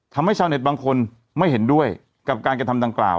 ทำให้ชาวเน็ตบางคนไม่เห็นด้วยกับการกระทำดังกล่าว